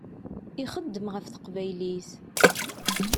Ixeddem ɣef teqbaylit.